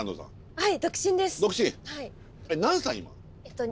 はい。